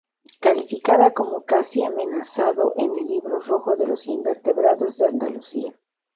Calificada como casi amenazado en el Libro Rojo de los Invertebrados de Andalucía.